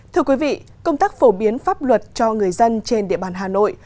thưa quý vị công tác phổ biến pháp luật cho người dân trên địa bàn hà nội